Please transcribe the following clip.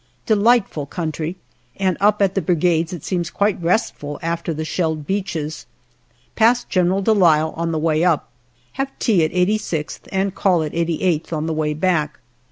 Delightful country, and up at the Brigades it seems quite restful after the shelled beaches. Pass General de Lisle on the way up. Have tea at 86th, and call at 88th on the way back.